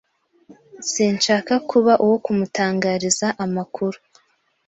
Sinshaka kuba uwo kumutangariza amakuru.